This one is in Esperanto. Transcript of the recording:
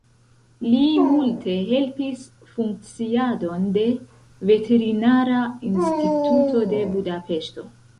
Li multe helpis funkciadon de Veterinara Instituto de Budapeŝto.